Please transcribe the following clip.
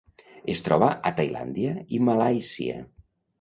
Es troba a Tailàndia i Malàisia.